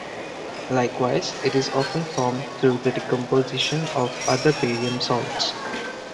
Likewise, it is often formed through the decomposition of other barium salts.